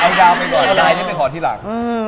เอาดาวไปก่อนไลน์นี่เป็นขอดที่หลัง